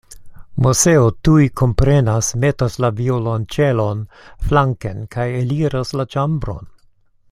Moseo tuj komprenas, metas la violonĉelon flanken kaj eliras la ĉambron.